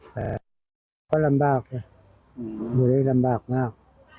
แต่ก็ลำบากบริเวณลำบากมาก